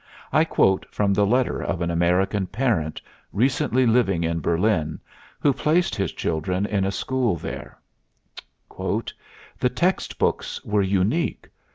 I quote from the letter of an American parent recently living in Berlin, who placed his children in a school there: "The text books were unique.